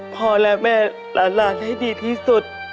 พ่อและแม่หลานให้ดีที่สุด